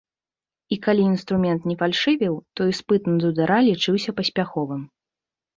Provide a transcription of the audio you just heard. І калі інструмент не фальшывіў, то іспыт на дудара лічыўся паспяховым.